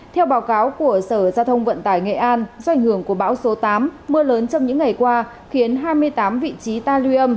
theo báo cáo của sở giao thông vận tải nghệ an do ảnh hưởng của bão số tám mưa lớn trong những ngày qua khiến hai mươi tám vị trí ta lưu âm